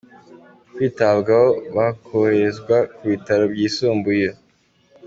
kwitabwaho bakoherezwa ku bitaro byisumbuye.